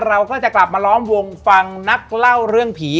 เราก็จะกลับมาล้อมวงฟังนักเล่าเรื่องผี